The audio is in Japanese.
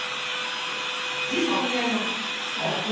実際に父が。